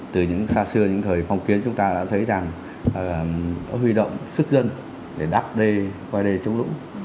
từ những xa xưa những thời phong kiến chúng ta đã thấy rằng huy động xuất dân để đắp qua đây chống lũ